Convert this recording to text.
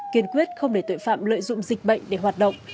kiên quyết không để tội phạm lợi dụng dịch bệnh để hoạt động